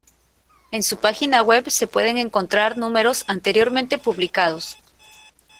En su página web, se pueden encontrar números anteriormente publicados.